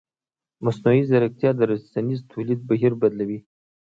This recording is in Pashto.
مصنوعي ځیرکتیا د رسنیز تولید بهیر بدلوي.